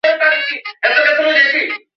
এ উপজেলার অর্থনীতি কৃষি নির্ভর।